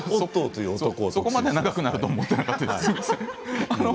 そこまで長くなるとは思っていなかったです。